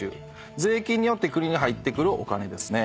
税金によって国に入ってくるお金ですね。